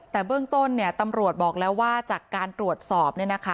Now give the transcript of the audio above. แต่เบื้องต้นตำรวจบอกแล้วว่าจากการตรวจสอบ